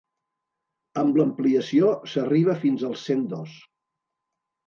Amb l’ampliació s’arriba fins als cent dos.